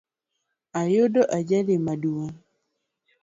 Ayudo ajali maduong